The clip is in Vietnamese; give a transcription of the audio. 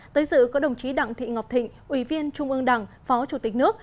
tới dự có đồng chí đặng thị ngọc thịnh ủy viên trung ương đảng phó chủ tịch nước